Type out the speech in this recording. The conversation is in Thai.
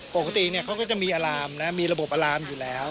ปกติเขาก็จะมีอารามนะมีระบบอารามอยู่แล้ว